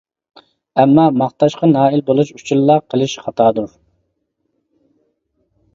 ئەمما ماختاشقا نائىل بولۇش ئۈچۈنلا قىلىش، خاتادۇر.